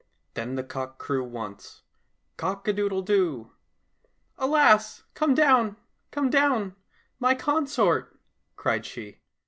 Then the cock crew once, " Cock a doodle doo !"—" Alas ! come down, come down, my consort!^* cried she.